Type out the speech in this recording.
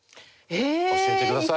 教えてください。